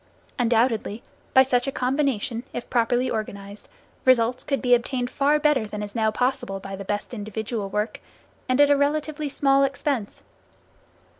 Undoubtedly, by such a combination if properly organized, results could be obtained far better than is now possible by the best individual work, and at a relatively small expense.